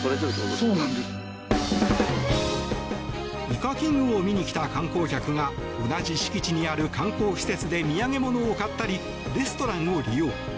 イカキングを見に来た観光客が同じ敷地にある観光施設で土産物を買ったりレストランを利用。